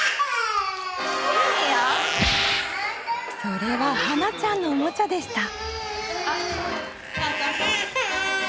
それは芭那ちゃんのおもちゃでした。